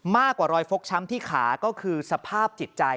มากกว่ารอยฟล็อกช้ำที่ขาก็คือสภาพจิตใจ